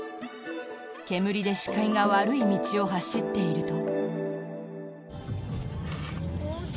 煙で視界が悪い道を走っていると。